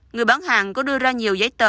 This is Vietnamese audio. người bán hàng có đưa ra nhiều giấy tờ